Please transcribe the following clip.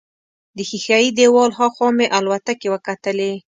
د ښیښه یي دیوال هاخوا مې الوتکې وکتلې.